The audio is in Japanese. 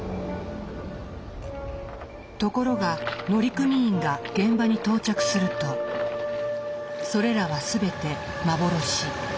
ところが乗組員が現場に到着するとそれらは全て幻。